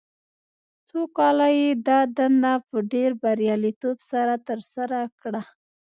څو کاله یې دا دنده په ډېر بریالیتوب سره ترسره کړه.